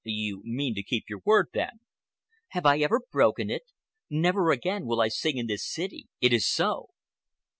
"You mean to keep your word, then?" "Have I ever broken it? Never again will I sing in this City. It is so."